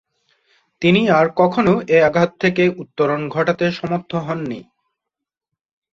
তিনি আর কখনো এ আঘাত থেকে উত্তরণ ঘটাতে সমর্থ হননি।